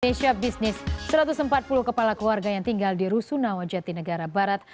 nesha business satu ratus empat puluh kepala keluarga yang tinggal di rusun nawajati negara barat